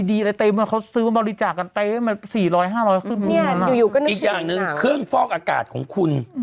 อีกอย่างหนึ่งเครื่องฟอกอากาศของคุณ